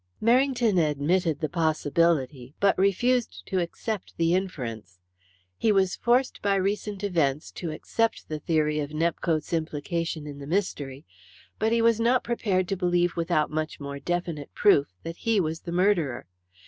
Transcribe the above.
Merrington admitted the possibility, but refused to accept the inference. He was forced by recent events to accept the theory of Nepcote's implication in the mystery, but he was not prepared to believe without much more definite proof that he was the murderer.